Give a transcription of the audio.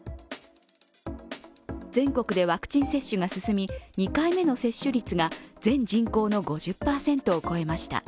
全国でワクチン接種が進み、２回目の接種率が全人口の５０％を超えました。